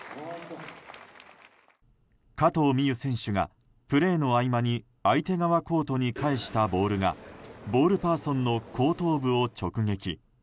加藤未唯選手がプレーの合間に相手側コートに返したボールがボールパーソンの後頭部を直撃。